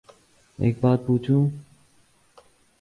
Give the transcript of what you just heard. ایک بات پو چوں